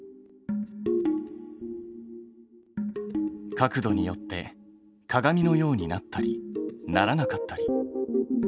角度によって鏡のようになったりならなかったり。